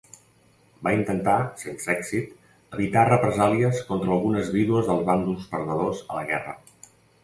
Va intentar, sense èxit, evitar represàlies contra algunes vídues dels bàndols perdedors a la guerra.